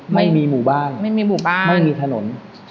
ไม่มีหมู่บ้านไม่มีถนน